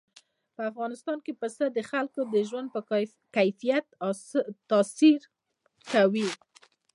په افغانستان کې پسه د خلکو د ژوند په کیفیت تاثیر کوي.